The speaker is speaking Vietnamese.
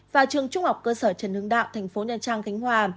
và trường trung học cơ sở trần hưng đạo thành phố nha trang khánh hòa